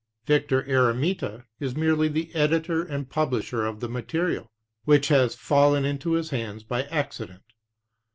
Victor Eremita is merely the editor and publisher of the material, which has fallen into his hands by accident.